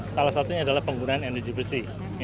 salah satunya adalah penggunaan energi bersih